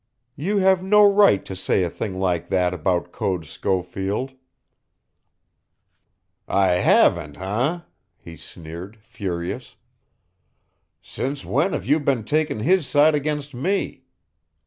"You have no right to say a thing like that about Code Schofield." "I haven't, eh?" he sneered, furious. "Since when have you been takin' his side against me?